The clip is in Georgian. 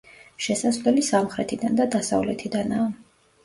შესასვლელი სამხრეთიდან და დასავლეთიდანაა.